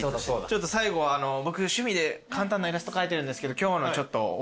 ちょっと最後僕趣味で簡単なイラスト描いてるんですけど。